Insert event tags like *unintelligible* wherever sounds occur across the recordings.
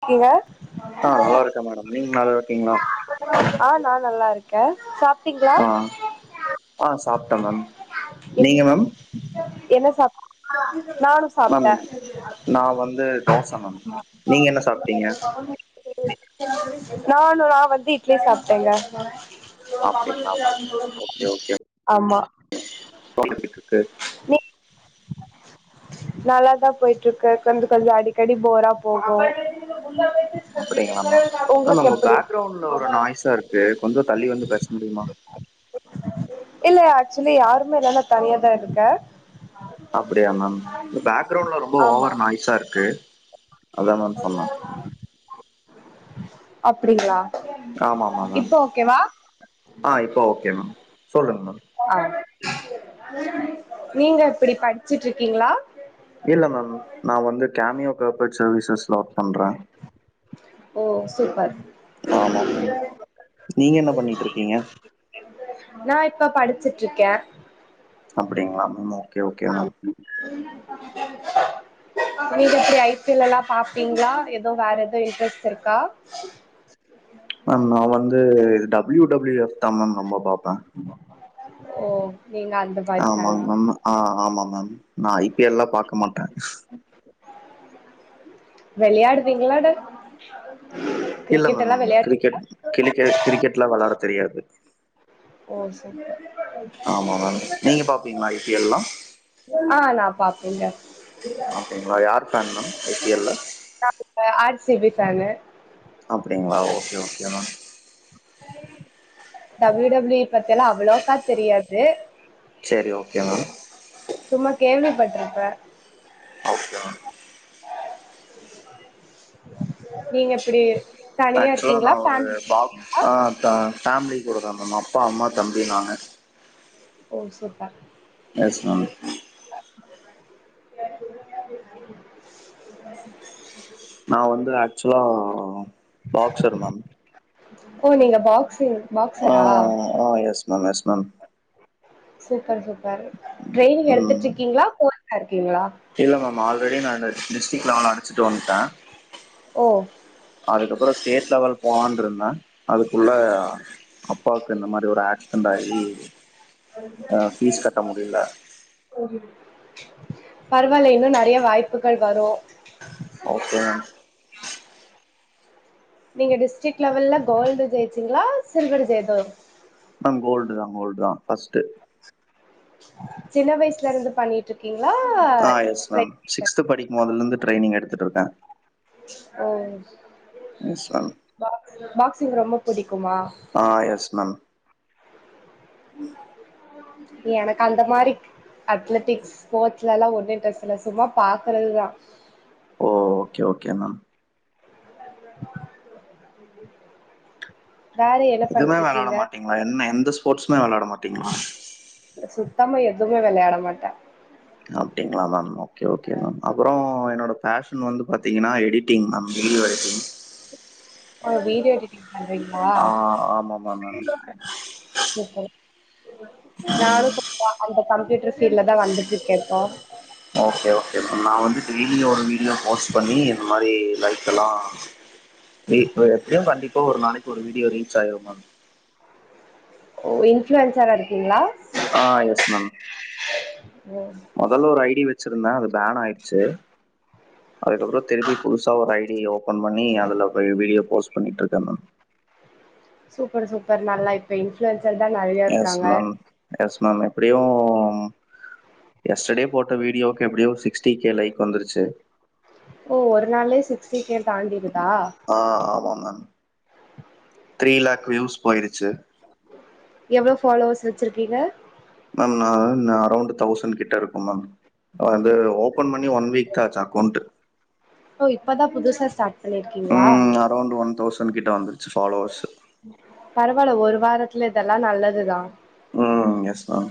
இருக்கீங்க ஆ நல்லா இருக்கேன் மேடம் நீங்க நல்லா இருக்கீங்ளா? ஆ நா நல்லா இருக்கன் சா ஆ ஆ சாப்ட்ட மேம் நீங்க என்ன மேம் என்ன சா நானு சாப்ட்ட மேம் நா வந்து தோச மேம் நீங்க என்ன சாப்ட்டீங்க நானு நா வந்து இட்லி சாப்ட்டங்க அப்டிங்களா மேம் ஆமா ஃபோன் அடிச்சிட்டு இருக்கு நீ நல்லாதா போயிட்டு இருக்கு கொஞ்சோ கொஞ்சோ அடிக்கடி போர்றா போகு இது ஃபுல்லா லேடீஸ் அப்டிங்ளா மேம் மேம் உங்க பேக்ரவுண்ட்ல ஒரு நாய்ஸா இருக்கு கொஞ்சோ தள்ளி வந்து பேச முடியுமா இல்ல ஆக்ச்சுவலி யாருமே இல்ல நா தனியாதா இருக்க அப்டியா மேம் இல்ல பேக்கிரௌவ்ண்ட்ல ரொம்ப ஓவர் நாய்ஸா இருக்கு அதா மேம் சொன்னே அப்டிங்ளா ஆமாமா மேம் ஆ இப்போ ஓகே மேம் சொல்லுங்க மேம் ஆநீங்க எப்டி படிச்சிட்டு இருக்கீங்ளா இல்ல மேம் நா வந்து டாமியோ பேப்பர் சர்வீஸஸல்ல ஓர்க் பண்றன் ஓ சூப்பர் ஆமா மேம் நீங்க என்ன பண்ணிட்டு இருக்கீங்க நா இப்ப படிச்சிட்டு இருக்கேன் அப்டிங்ளா மேம் ஓகே ஓகே மேம் நீங்க எப்டி ஐ பி எல் எல்லா பாப்பீங்ளா எதோ வேற எதோ இன்ட்ரெஸ்ட் இருக்கா மேம் நா வந்து டபிள்யூ டபிள்யூ எப்தா மேம் ரொம்ப பா ப்ப ஓ நீங்க அந்த மாரி ஆமாங் ஃபேனா மேம் ஆ ஆமாம் மேம் நா ஐ பி எல் எல்லா பாக்க மாட்ட வெளயாடுவீங்ளாட இல்ல மேம் கிரிக்கெட் கிளிகெட் கிரிக்கெட் எல்லா வெளயாட தெரியாது ச ஏதுவாக வெச்சு ஆமா ஆஹ நீங்க பாப்பீங்ளா ஐ சபி எல் எல்லா ஆ நா பாப்பேங்க அப்டிங்களா யார் fan ma'am I P L ல நா ஆ சி பி ஃபேன்னு அப்டிங்ளா okay okay ma'am W W பத்தி எல்லாம அவ்ளோக்கா தெரியாது சேரி ஓகே மேம் தும்மா கேள்விப்பட்டிருப்ப ஓகே மேம் நீங்க எப்டி தனியா ஆக்சுவலா நா இருக்கீங்ளா ஒரு ஃபேமிலியோட பாப் இருக்கீங்ளா ஆ ஃபேமிலி கூடதா மேம் அப்பா, அம்மா, தம்பி, நானூ ஓ சூப்பர் எஸ் மேம் நா வந்து ஆக்சுலா பாக்சர் மேம் ஓ நீங்க பாக்சிங் ஆ பாக்சரா ஆ yes ma'am yes ma'am super super training எடுத்துட்டு ம் இருக்கீங்களா போஸ்ட்ல இருக்கீங்களா இல்ல மேம் ஆல்ரெடி நானு டிஸ்ட்ரிக் லெவல்ல அடிசிட்டு வன்ட்ட ஒ அதுக்கப்புறோ ஸ்டேட் லெவல் போனுன்ருந்த அதுக்குள்ள அப்பாவுக்கு இந்த மாரி ஒரு ஆக்சிடென்ட் ஆயி அ ஃபீஸ் கட்ட முடில ஒ ம் பரவாயில்லா இன்னு நறைய வாய்ப்புக்கள் வரு ஓகே மேம் நீங்க டிஸ்ட்ரிக்ட் லெவல்லா கோல்டு ஜெய்யிச்சிங்களா சில்வர் ஜெய்ப மேம் கோல்டு தா கோல்டு தா ஃபஸ்ட்டு சின்ன வயசுல இருந்து பண்ணிட்ருக்கீங்களா ஆ எஸ் மேம் லைக் சிக்ஸ்த்து படிக்கும் போதுல இருந்து ட்ரைனிங் எடுத்துட்டு இருக்க ஒ *unintelligible* பாக்ஸ் பாக்சிங் ரொம்ப புடிக்குமா ஆ எஸ் மேம் எனக்கு அந்த மாரி அத்லெட்டிக்ஸ் ஸ்போட்ஸ்ல எல்லா ஒன்னு இன்ட்ரெஸ்ட் இல்ல சும்மா பாக்கறதுதா ஓ ஓகே ஓகே மேம் *unintelligible* வேற என்ன எதுமே வெளாட பண்ட்ருக்கீங்க? மாட்டீங்களா என்ன எந்த ஸ்போட்ஸுமே வெளாட மாட்டீங்களா சுத்தமா எதுமே வெளையாட மாட்ட அப்டிங்களா மேம் ஓகே ஓகே மேம் அப்பறோ என்னோட ஃபேஷன் வந்து பாத்திங்கன்னா எடிட்டிங் மேம் வீடியோ எடிட்டிங் ஓ வீடியோ எடிட்டிங் பண்றீங்களா ஆ ஆமாமா மேம் *unintelligible* நானு கொஞ்சோ அந்த கம்ப்யூட்டர் ஃபீல்டுல தா வந்துட்ருக்கே இப்போ ஓகே ஓகே மேம் நா வந்து டெய்லியு ஒரு வீடியோ போஸ்ட் பண்ணி இந்த மாரி லைக் எல்லா இப்ப எப்டியு கண்டிப்பா ஒரு நாளைக்கு ஒரு வீடியோ ரீச் ஆய்ரும் மேம் ஓ இன்ஃப்ளூயன்ஸரா இருக்கீங்களா ஆ எஸ் மேம் ஓ மொதல்ல ஒரு ஐ டி வச்சிருந்த அது பேன் ஆய்டுச்சி அதுக்கப்பறோ திருப்பி புதுசா ஒரு ஐ டிய ஓபன் பண்ணி அதுல இப்ப வீடியோ போஸ்ட் பண்ணிட்ருக்க மேம் சூப்பர் சூப்பர் நல்லா இப்ப இன்ஃப்ளூயன்சர் தா நறையா எஸ் இருக்காங்க மேம் எஸ் மேம் எப்புடியூ எஸ்டர்டே போட்ட வீடியோக்கு எப்டியோ சிக்ஸ்டி கே லைக் வந்துருச்சு ஓ ஒரு நாள்ளே சிக்ஸ்டி கே தாண்டிருதா ஆ ஆமா மேம் த்ரீ லாக் வியூஸ் போயிருச்சு எவ்ளோ ஃபாலோவர்ஸ் வச்சிருக்கீங்க மேம் நா நா அரௌண்டு தௌசண் கிட்ட இருக்கும் மேம் அ வந்து ஓபன் பண்ணி ஒன் வீக் தா ஆச்சு அக்கௌண்ட்டு ஓ இப்பதா புதுசா ஸ்டார்ட் பண்ணியிருக்கீங்களா அரௌண்டு ஒன் தௌசண் கிட்ட வந்துருச்சு ஃபாலோவர்ஸ்ஸு பரவால்ல ஒரு வாரத்துல இதெல்லா நல்லதுதா ம் எஸ் மேம்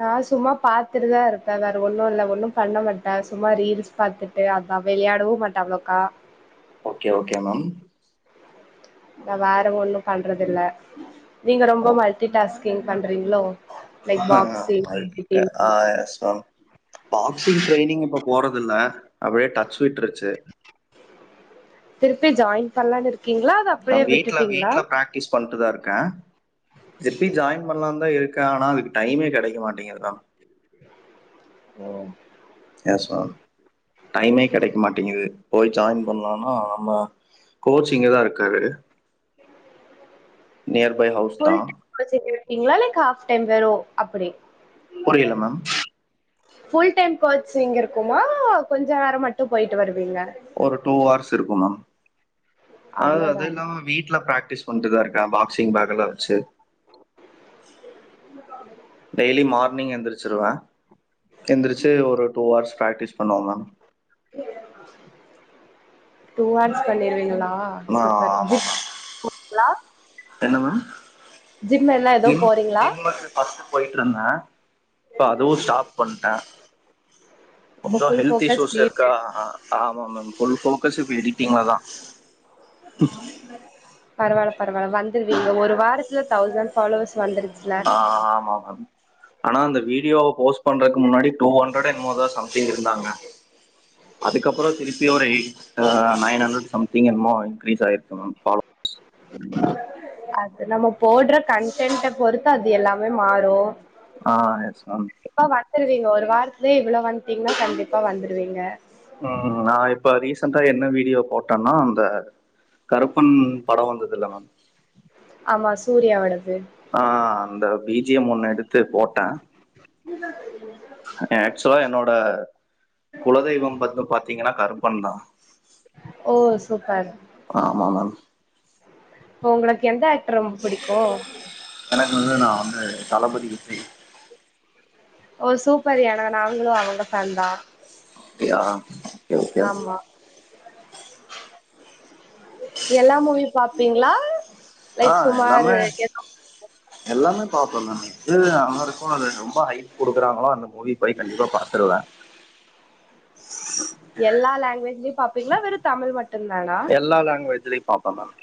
நா சும்மா பாத்துட்டுதா இருப்ப வேற ஒன்னு இல்ல ஒன்னு பண்ண மாட்ட சும்மா ரீல்ஸ் பாத்து சேர் அதா வெளயாடவு மாட்டாங்கக்கா ஓகே ஓகே மேம் நா வேற ஒன்னு பண்றதில்ல நீங்க ரொம்ப ஓகே. மல்டி டாஸ்கிங் பண்றீங்ளோ லைக் ஆ பாக்ஸிங் கரெக்ட் எடிட்டிங் ஆ எஸ் மேம் பாக்சிங் ட்ரெய்னிங் இப்ப போறதில்ல அப்டியே டச் விட்ருச்சு திருப்பி ஜாயின் பண்லானு இருக்கீங்ளா அது அப்டியே விட்டுட்டீங்ளா ட்டீஸ் பண்ட்டுதான் இருக்கன் எப்டி ஜாயின் பண்லானுத இருக்க ஆனா அதுக்கு டைமே கெடைக்க மாட்டேங்குதுக்கா ஓ எஸ் மேம் டைமே கெடைக்க மாட்டேங்குது போய் ஜாயின் பண்லானா நம்ம கோச் இங்கதா இருக்காரு நியர் பை ஹவுஸ்தா புடிச்சிட்டிருக்கீங்ளா இல்ல ஹாஃப் டைம் வேறோ அப்டி புரில மேம் ஃபுல் டைம் கோச்சிங் இருக்குமா கொஞ்சோ நேரம் மட்டு போய்ட்டு வருவீங்க ஒரு டூ ஹார்ஸ் இருக்கும் மேம் அது அது அவ்ளோதானா இல்லாம வீட்ல பிராக்டிஸ் பண்ட்டுதான் இருக்க பாக்ஸ்சிங் பேக் எல்லா வெச்சு டெய்லி மார்னிங் எந்திரிச்சிருவ எந்திரிச்சு ஒரு டூ ஹார்ஸ் ப்ராக்டிஸ் பண்ணுவோம் மேம் டூ ஹார்ஸ் பண்ணிருவீங்ளா சூப்பர் ஜி ஆமாம் மேம் என்ன மேம் ஜிம் எல்லா எதோ ஜி போறீங்ளா ஜிம்முக்கு ஃபர்ஸ்ட்போயட்டு இருந்த இப்ப அதுவு ஸ்டாப் பண்ட்ட இப்ப கொஞ்சோ ஃபுல் ஹெல்த் ஃபோக்கஸ் இஷ்ஷுஸ் இருக்கா அ ஆமா மேம் ஃபுல் போக்கஸ் எடிட்டிங்லதா பரவால பரவால வந்துருவீங்க ஒரு வாரத்துல தௌசண்ட் ஃபாலோவர்ஸ் வந்துருச்சல ஆமா மேம் ஆனா அந்த வீடியோ போஸ்ட் பண்றக்கு முன்னாடி டூ ஹண்டர்டு மொதோ சம்திங் இருந்தாங்க அதுக்கப்றோ திருப்பி ஒரு எயிட் நைன் ஹண்ட்ரட் சம்திங் என்னமோ இன்க்ரீஸ் ஆயிருக்கு மேம் ஃபாலோ அது நம்ம போடுற கன்டன்ட் பொறுத்து அது எல்லாமே மாறு ஆ எஸ் மேம் இப்ப வந்துருவீங்க ஒரு வாரத்துலயே இவ்ளோ வந்ட்டீங்கனா கண்டிப்பா வந்துருவீங்க ம் நா இப்ப ரீசன்டா என்ன வீடியோ போட்டன்னா அந்த கருப்பன் படோ வந்ததது இல்ல மேம் ஆமா சூர்யாவோடது ஆ அந்த பீஜியம் ஒன்னு எடுத்து போட்ட *unintelligible* ஆக்சுலா என்னோட குலதெய்வம் பா வந்து பாத்தீங்கன்னா கருப்பன்தா ஓ சூப்பர் ஆமா மேம் இப்போ உங்களுக்கு எந்த ஆக்டர் ரொம்ப புடிக்கு எனக்கு வந்து நா வந்து தளபதிவு விஜய் ஓ சூப்பர் ஏனா நாங்களு அவுங்க ஃபேன்தா அப்டியா ஓகே ஓகே எல்லா மூவி பாப்பீங்ளா ஆ லைக் எல்லாமே சுமாரு எல்லாமே பாப்ப மேம் இது நல்லாருக்கோ அது ரொம்ப ஹைப் குடுக்குறாங்ளோ அந்த மூவி போய் கண்டிப்பா பாத்துடுவ எல்லா லாங்வேஜ்லயு பாப்பீங்ளா வெற தமிழ் மட்டு எல்லா லாங்குவேஜ்லயு பாப்ப மேம்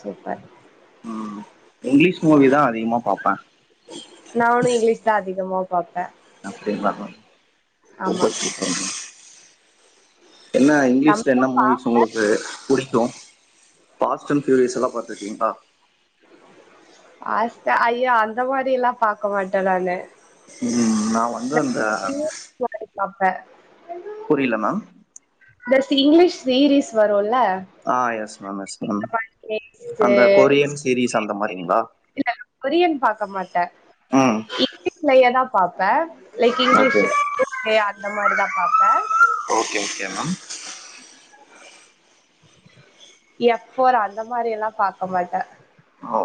சூப்பர் ம் இங்கிலீஷ் மூவி தா அதிகமா பார்ப்ப நானு இங்கிலீஷ் தா அதிகமா பார்ப்ப அப்டிங்ளா மேம் ஆமா சூப்பர் சூப்பர் மேம் என்ன இங்கிலீஷ்ல தமிழு என்ன மூவிஸ் பாப்பே உங்களுக்கு புடிக்கு பாஸ்ட் அண்ட் ஃபியூரியஸ் எல்லா பாத்துருக்கீங்ளா ஃபாஸ்ட்டா ஐயோ அந்த மாரி எல்லா பாக்க மாட்ட நானு ம் நா வந்து அந்த போர் அடிக் பாப்ப புரில மேம் இந்த இங்கிலீஷ் சீரீஸ் வருல ஆ yes ma'am yes ma'am taste அந்த கொரியன் சீரீஸ் அந்த மாரிங்ளா இல்ல கொரியன் பாக்க மாட்ட ம் இங்கீஸ்லயே தா பாப்ப லைக் ஓகே இங்கிலீஷ் அந்த மாரி தா பார்ப்ப okay okay ma'am F four அந்த மாரி எல்லா பார்க்க மாட்ட ஓ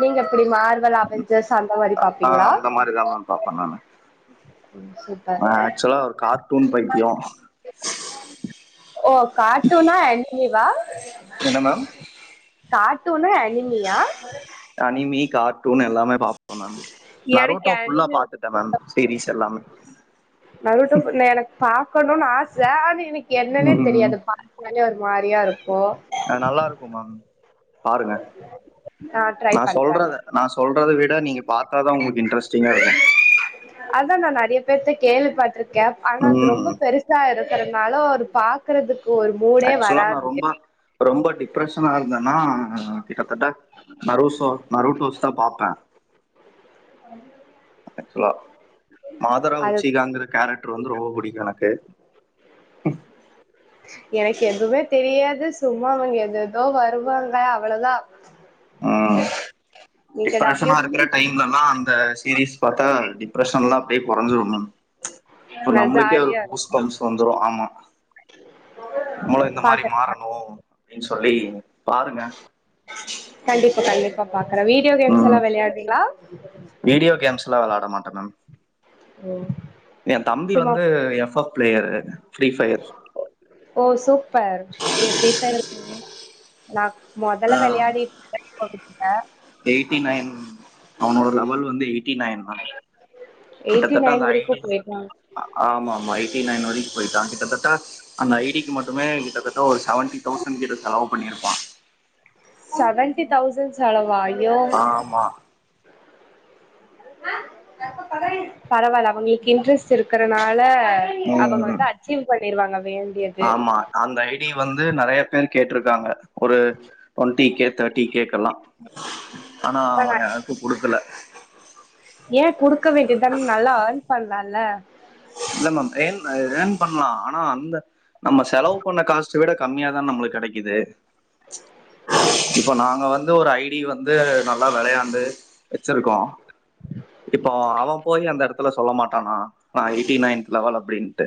நீங்க எப்டி மார்வல் அவெஞ்சர்ஸ் அந்த மாரி பாப்பீங்ளா மாரி தா மேம் பாப்ப நானு ம் செரி நா ஆக்சுவலா ஒரு கார்ட்டூன் பைத்தியோ ஓ கார்டூனா அனிமிவா என்ன மேம் கார்ட்டூனா அனிமியா அனிமி கார்ட்டூன் எல்லாமே பாப்ப நானு எனக்கு நரோட்டோ ஃபுல்லா அனிமி பாத்துட் ட மேம் சீரீஸ் எல்லாமே நரோட்டோ ஃபுல்ல எனக் பாக்கணுனு ஆச ஆனா எனக்கு என்னன்னே ம், தெரியாது பா தனியா ஒரு மாரியா இருக்கு அது நல்லா இருக்கு மேம் பாருங்க ட்ரை நா பண்றே சொல்றத நா சொல்றத விட நீங்க பார்த்தாத உங்களுக்கு இன்டரஸ்டிங்கா இருக்கு அதுதா நா நறைய பேத்த கேள்விப்பட்டுருக்கே ஆனா அது ரொம்ப ம் பெருசா இருக் கறனால அது பாக்குறதுக்கு ஒரு மூடே ஆக்சுவலா நா வராது ரொம்ப ரொம்ப டிப்ரஷனா இருந்தன்னா கிட்டத்தட்ட நறுசோ நறுடோஸ் தா பார்ப்ப ஆமா ஆக்சுவலா மாதரா அது உச்சிகாங்கிற கேரக்டர் வந்து ரொம்ப புடிக்கு எனக்கு எனக்கு எதுவ்மே தெரியாது சும்மா அவங்க எதெதோ வருவாங்க அவ்ளதா ஆ இத்தன வர்ஷமா டபிள்யூ இருக்ற டைம்லல்லா அந்த சீரிஸ் பாத்தா டிப்ரெஷன் எல்லா அப்டியே கொறஞ்சிரு மேம் இப்ப நா நம்ளுக்கே ஒரு ஜாலியா கூஸ் இருக்கு பம்ப்ஸ் வந்துரு ஆமா நம்ளு இந்த மாரி பாக்கறதுக்கு மாறனு அப்டின் சொல்லி பாருங்க கண்டிப்பா கண்டிப்பா பாக்குறே வீடியோ கேம்ஸ் ம் எல்லா வெளயாட்றீங்ளா வீடியோ கேம்ஸ்லா வெளாட மாட்டே நான் ஓ எ தம்பி வந்து F F player free fire ஓ சூப்பர் எ ஃப்ரீ ஃபயரு நா ஆ மொதல்ல வெளயாடிட்ருப்பே இப்ப விட்டுடே எயிட்டி நைன் அவனோட லெவல் வந்து எயிட்டி நைன் தா எயிட்டி கிட்டத்தட்ட அந்த நைன் வரைக்கு ஐடி போயிட்டாங்க ஆமாமா எயிட்டி நைன் வரைக்கு போய்ட்டா கிட்டத்தட்ட அந்த ஐடி க்கி மட்டுமே கிட்டத்தட்ட ஒரு செவன்டி தௌசண்ட் கிட்ட செலவு பண்ணிருப்பா செவன்டி தௌசண்ட் செலவா ஐயோ ஆமா பரவால்ல அவங்களுக்கு இன்ட்ரெஸ்ட் இருக்கறனால அவங்க ம் வந்து அச்சீவ் பண்ணிருவாங்க வே ஆமா அந்த ஐடி வந்து நறயா பேர் கேட்ருக்காங்க ஒரு ட்வென்டி கே தேர்ட்டி கேக்கெல்லா ஆனா அவே யாருக்கு குடுக்கல ஏ குடுக்க வேண்டிதானே நல்லா ஏர்ன் பண்லால்ல இல்ல மேம் ஏன் ஏர்ன் பண்லா ஆனா அந்த நம்ம செலவு பண்ண காஸ்ட்ட விட கம்மியாதான் நம்மளுக் கெடைக்கிது இப்ப நாங்க வந்து ஒரு ஐடி வந்து நல்லா வெளயாண்டு வச்சிருக்கோ இப்போ அவே போய் அந்த எடத்துல சொல்ல மாட்டானா நா எ யிட்டின் நைன்த்து லெவல் அப்டின்ட்டு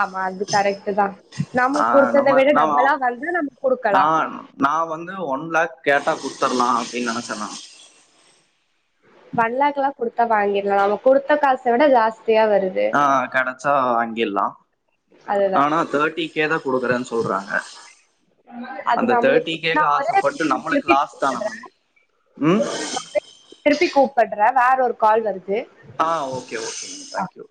ஆமா அது கரெக்ட்டு தா நம்ம ஆ குடுத்தத நம்ம விட நா டபுளா வந்தா நம்ம நா குடுக்கலா நா வந்து ஒன் லேக் கேட்டா குட்த்தர்லா அப்டின் நெனச்சே நா ஒன் லேக்லா குடுத்தா வாங்கிர்லா நம்ம குடுத்த காச விட ஜாஸ்தியா வரு ஆ கெடச்சா வாங்கிர்லா அதுதா ஆனா தேர்ட்டி கே தா குடுக்குறேன் சொல்றாங்க அது அந்த நம்மளுக்கு தேர்ட்டி நா கேக்கு ஒரே ஆசப்பட்டு நம்மளுக்கு லாஸ் தான திருப்பி மேம் ம் திருப்பி கூப்புட்றே வேற ஒரு கால் வருது ஆ ஓகே ஓகே மேம் தேங்க்யூ